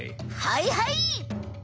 はいはい！